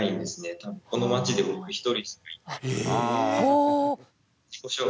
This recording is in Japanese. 多分この町で僕一人しかいない。